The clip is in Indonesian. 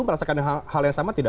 merasakan hal yang sama tidak